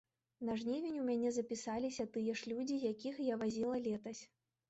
На жнівень у мяне запісаліся тыя ж людзі, якіх я вазіла летась.